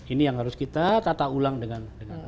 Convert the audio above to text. ini yang harus kita tata ulang dengan